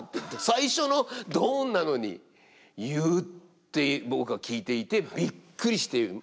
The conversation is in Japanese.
最初のドンなのに言うって僕は聞いていてびっくりして。